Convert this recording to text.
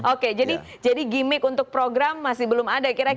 oke jadi gimmick untuk program masih belum ada